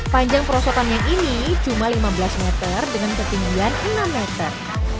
panjang perosotan yang ini cuma lima belas meter dengan ketinggian enam meter